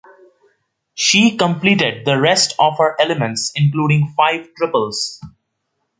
She completed the rest of her elements, including five triples.